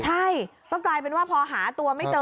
ใช่ก็กลายเป็นว่าพอหาตัวไม่เจอ